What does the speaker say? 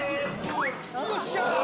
よっしゃ！